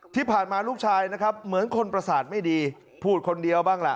ที่ผ่านมาลูกชายนะครับเหมือนคนประสาทไม่ดีพูดคนเดียวบ้างล่ะ